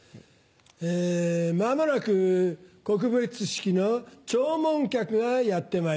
えまもなく告別式の弔問客がやってまいります。